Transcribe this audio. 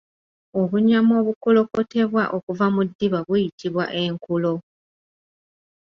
Obunyama obukolokotebwa okuva mu ddiba buyitibwa enkulo